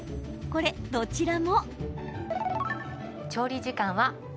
これ、どちらも。